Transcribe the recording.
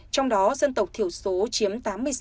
trong đó dân tộc thiểu số chiếm tám mươi sáu